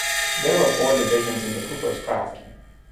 There were four divisions in the cooper's craft.